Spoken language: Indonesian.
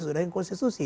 sesudah yang konsensusi